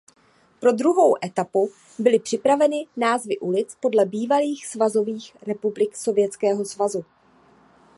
Pro druhou etapu byly připraveny názvy ulic podle bývalých svazových republik Sovětského svazu.